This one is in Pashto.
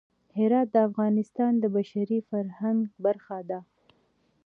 هرات د افغانستان د بشري فرهنګ برخه ده.